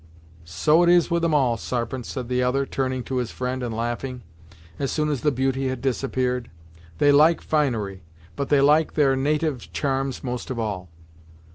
"So it is with 'em, all, Sarpent," said the other, turning to his friend and laughing, as soon as the beauty had disappeared. "They like finery, but they like their natyve charms most of all.